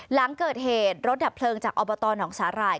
หลังเกิดเหตุรถดับเพลิงจากอบตหนองสาหร่าย